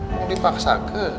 nggak dipaksa ke